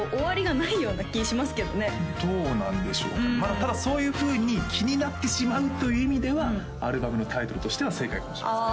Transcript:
ただそういうふうに気になってしまうという意味ではアルバムのタイトルとしては正解かもしれませんね